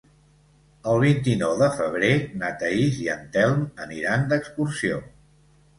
El vint-i-nou de febrer na Thaís i en Telm aniran d'excursió.